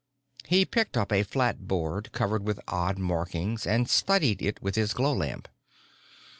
He picked up a flat board covered with odd markings and studied it with his glow lamp.